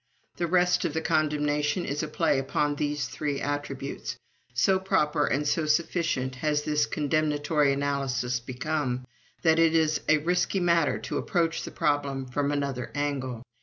The rest of the condemnation is a play upon these three attributes. So proper and so sufficient has this condemnatory analysis become, that it is a risky matter to approach the problem from another angle.